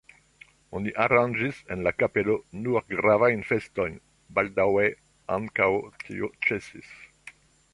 Oni aranĝis en la kapelo nur gravajn festojn, baldaŭe ankaŭ tio ĉesis.